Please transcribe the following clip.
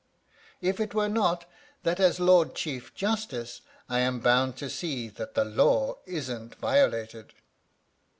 " If it were not that as Lord Chief Justice I am bound to see that the law isn't violated."